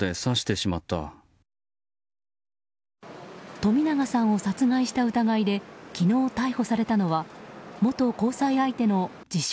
冨永さんを殺害した疑いで昨日、逮捕されたのは元交際相手の自称